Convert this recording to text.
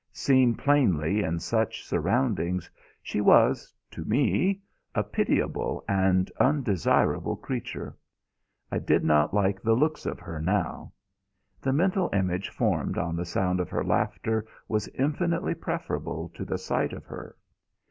Seen plainly in such surroundings, she was to me a pitiable and undesirable creature. I did not like the looks of her now. The mental image formed on the sound of her laughter was infinitely preferable to the sight of her.